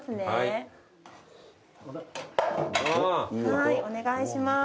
はいお願いします。